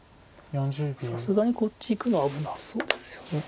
さすがにこっちいくのは危なそうですよね。